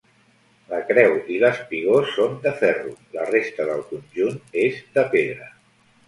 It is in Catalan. La creu i l'espigó són de ferro; la resta del conjunt és de pedra.